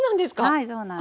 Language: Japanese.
はいそうなんです。